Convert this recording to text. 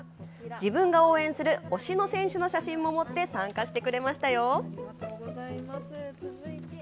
自分が応援する推しの選手の写真も持って参加してくれましたよ。